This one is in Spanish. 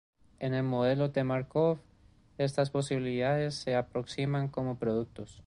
En un Modelo de Markov estas probabilidades se aproximan como productos.